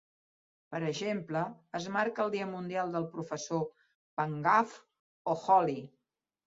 Per exemple, es marca el Dia mundial del professor, Phagwah o Holi.